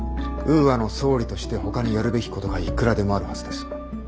ウーアの総理としてほかにやるべきことがいくらでもあるはずです。